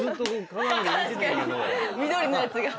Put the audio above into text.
緑のやつが。